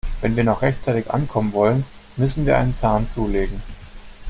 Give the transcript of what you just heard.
Wenn wir noch rechtzeitig ankommen wollen, müssen wir einen Zahn zulegen.